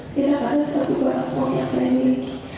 tidak ada satu barangkali yang saya miliki